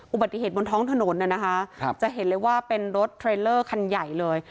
อุบัติเหตุบนท้องถนนน่ะนะคะจะเห็นเลยว่าเป็นรถเทรลเลอร์คันใหญ่เลย